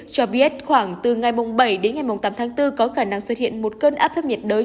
cho biết khoảng từ ngày bảy đến ngày tám tháng bốn có khả năng xuất hiện một cơn áp thấp nhiệt đới